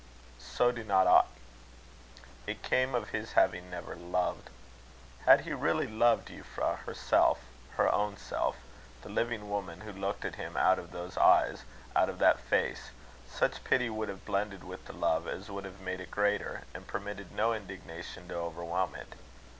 So do not I. It came of his having never loved. Had he really loved Euphra, herself, her own self, the living woman who looked at him out of those eyes, out of that face, such pity would have blended with the love as would have made it greater, and permitted no indignation to overwhelm it.